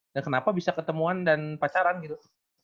dan kenapa bisa ketemuan dan pacaran gitu